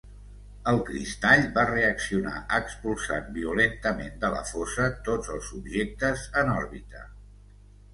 El cristall va reaccionar expulsant violentament de la fossa tots els objectes en òrbita.